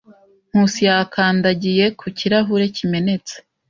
Nkusi yakandagiye ku kirahure kimenetse.